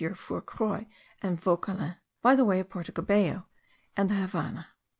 Fourcroy and Vauquelin, by the way of Porto Cabello and the Havannah.